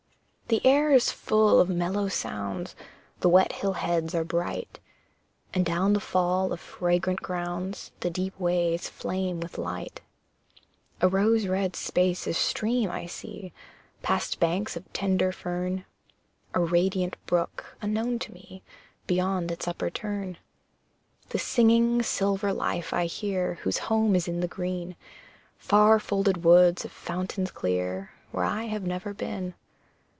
The air is full of mellow sounds, The wet hill heads are bright, And down the fall of fragrant grounds, The deep ways flame with light. A rose red space of stream I see, Past banks of tender fern; A radiant brook, unknown to me Beyond its upper turn. The singing, silver life I hear, Whose home is in the green, Far folded woods of fountains clear, Where I have never been.